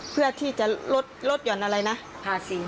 เพื่อที่จะลดโยนน้อยเปลี่ยนผ่าสี